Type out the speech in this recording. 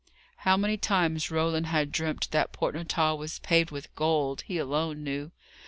How many times Roland had dreamt that Port Natal was paved with gold, he alone knew.